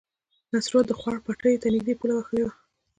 نصرو د خوړ پټيو ته نږدې پوله وهلې وه.